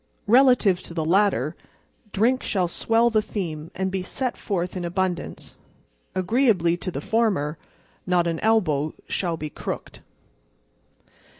Relative to the latter, drink shall swell the theme and be set forth in abundance. Agreeably to the former, not an elbow shall be crooked.